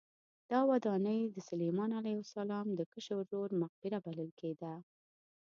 دا ودانۍ د سلیمان علیه السلام د کشر ورور مقبره بلل کېده.